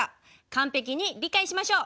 完璧に理解しましょう。